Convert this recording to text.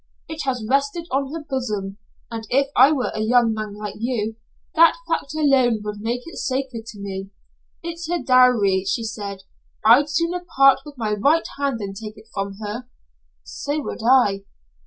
It has rested on her bosom, and if I were a young man like you, that fact alone would make it sacred to me. It's her dowry, she said. I'd sooner part with my right hand than take it from her." "So would I."